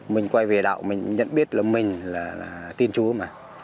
mình quay về đạo mình nhận biết là mình là tin chúa mà